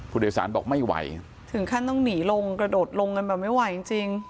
ผู้โดยสารบอกไม่ไหวถึงขั้นต้องหนีลงกระโดดลงกันแบบไม่ไหวจริงจริง